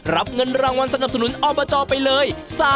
รับเงินรางวัลสนับสนุนอบจไปเลย